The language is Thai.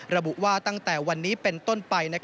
ระบุว่าตั้งแต่วันนี้เป็นต้นไป